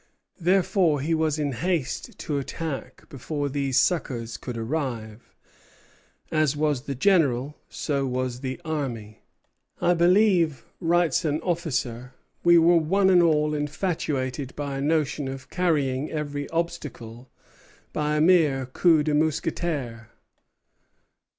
Therefore he was in haste to attack before these succors could arrive. As was the general, so was the army. "I believe," writes an officer, "we were one and all infatuated by a notion of carrying every obstacle by a mere coup de mousqueterie."